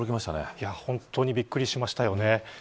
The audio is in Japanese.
本当にびっくりしましたね。